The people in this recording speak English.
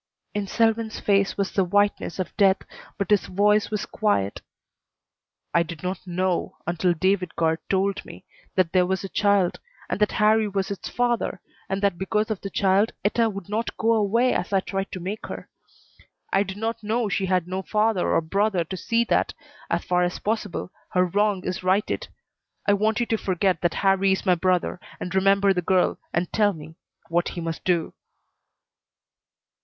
In Selwyn's face was the whiteness of death, but his voice was quiet. "I did not know, until David Guard told me, that there was a child, and that Harrie was its father, and that because of the child Etta would not go away as I had tried to make her. I did not know she had no father or brother to see that, as far as possible, her wrong is righted. I want you to forget that Harrie is my brother and remember the girl, and tell me what he must do."